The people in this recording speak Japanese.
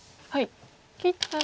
切ったら。